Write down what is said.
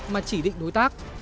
mà chỉ định đối tác